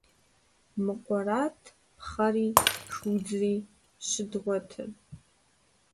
Мы къуэрат пхъэри шыудзри щыдгъуэтыр.